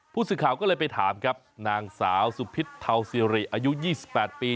ผู้สื่อข่าวก็เลยไปถามครับนางสาวสุพิษเทาซิริอายุ๒๘ปี